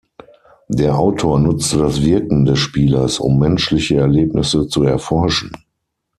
Der Autor nutze das Wirken des Spielers, um menschliche Erlebnisse zu erforschen.